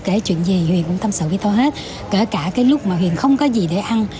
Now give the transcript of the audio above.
kể chuyện gì huyền cũng tâm sự với tôi hết kể cả cái lúc mà huyền không có gì để ăn